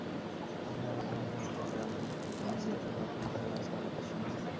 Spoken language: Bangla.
আমিও মাঝে মাঝে আমাদের গ্রামের নাচটাকে নকল করে নাচতাম ওদের সঙ্গে।